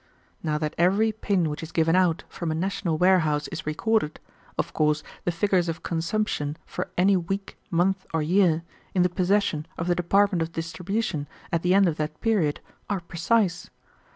Now that every pin which is given out from a national warehouse is recorded, of course the figures of consumption for any week, month, or year, in the possession of the department of distribution at the end of that period, are precise.